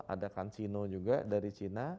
ada kan sino juga dari cina